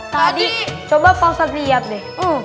tadi coba pak ustadz lihat deh